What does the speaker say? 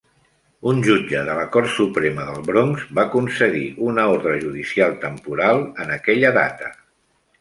Un jutge de la Cort Suprema del Bronx va concedir una ordre judicial temporal en aquella data.